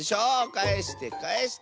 かえしてかえして！